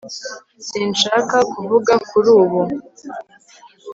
sinshaka kuvuga kuri ubu